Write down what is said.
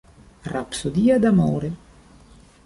Rapsodia d'amore